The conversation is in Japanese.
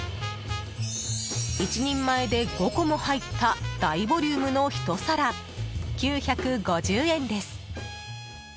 １人前で５個も入った大ボリュームのひと皿９５０円です。